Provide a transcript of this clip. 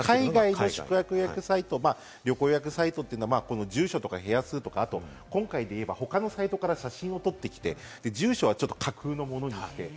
海外の宿泊予約サイト、旅行予約サイトは住所とか、部屋数とか、あと今回で言えば、他のサイトから写真を取ってきて、住所は架空のものになっている。